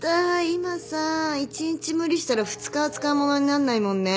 今さ１日無理したら２日は使い物になんないもんね。